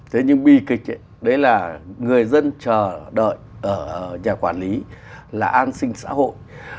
thế nhưng bi kịch đấy là người dân chờ đợi ở nhà quản lý là an sinh xã hội